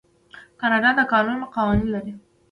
کاناډا د کانونو قوانین لري.